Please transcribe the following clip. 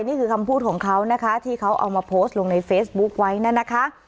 นี่คือคำพูดของเขานะคะที่เขาเอามาโพสต์ลงในเฟซบุ๊คไว้นั่นนะคะ